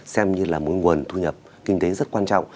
xem như là một nguồn thu nhập kinh tế rất quan trọng